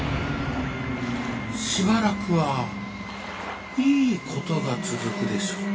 しばらくはいい事が続くでしょう。